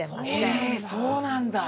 へえそうなんだ。